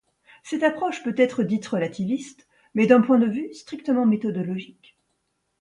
Cette approche peut être dite relativiste, mais d'un point de vue strictement méthodologique.